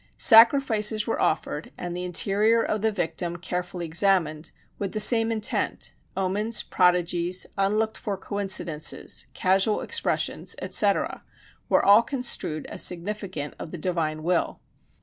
Sacrifices were offered, and the interior of the victim carefully examined, with the same intent: omens, prodigies, unlooked for coincidences, casual expressions, etc., were all construed as significant of the divine will.